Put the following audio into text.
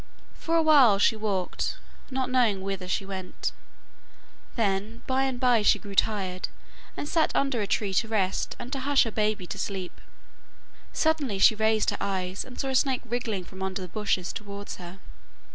For a while she walked, not knowing whither she went, then by and bye she grew tired, and sat under a tree to rest and to hush her baby to sleep. Suddenly she raised her eyes, and saw a snake wriggling from under the bushes towards her.